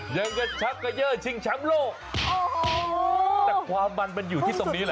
ยังก็ชักกะเยอะชิงช้ำโลกแต่ความมันมันอยู่ที่ตรงนี้แหละ